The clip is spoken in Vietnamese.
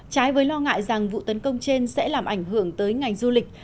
trái với lo ngại rằng vụ tấn công trên sẽ làm ảnh hưởng tới ngành du lịch